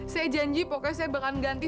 saya janji pokoknya saya bakalan ganti